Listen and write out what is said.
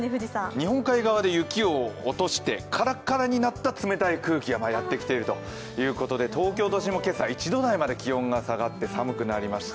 日本海側で雪を落としてからからになった雲がやってきているということで東京都心も今朝、１度台まで気温が下がって、寒くなりました。